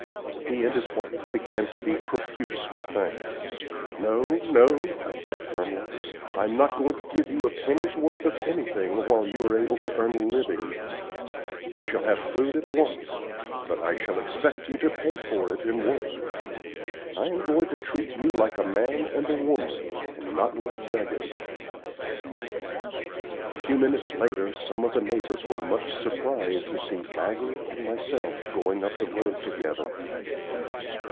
He and his wife began to be profuse with thanks. "No, no!" I said, firmly. "I'm not going to give you a penny's worth of anything while you are able to earn a living. You shall have food at once; but I shall expect you to pay for it in work. I am going to treat you like a man and a woman, and not like beggars." A few minutes later, some of the neighbors were much surprised to see Bagley and myself going up the road together.